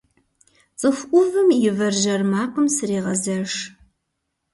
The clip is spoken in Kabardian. Цӏыху ӏувым я вэржьэр макъым срегъэзэш.